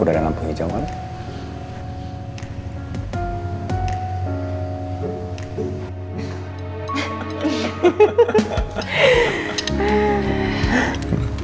udah ada lampu hijau kali